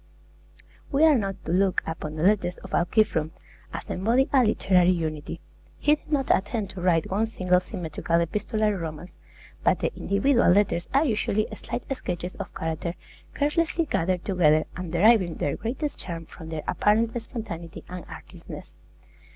We are not to look upon the letters of Alciphron as embodying a literary unity. He did not attempt to write one single symmetrical epistolary romance; but the individual letters are usually slight sketches of character carelessly gathered together, and deriving their greatest charm from their apparent spontaneity and artlessness.